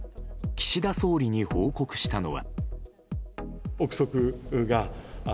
岸田総理に報告したのは。